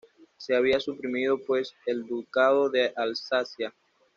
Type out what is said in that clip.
Se había suprimido pues el ducado de Alsacia.